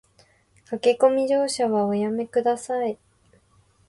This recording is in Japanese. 駆け込み乗車はおやめ下さい